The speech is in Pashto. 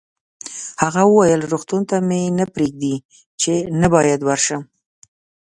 هغه وویل: روغتون ته مې نه پرېږدي، چې نه باید ورشم.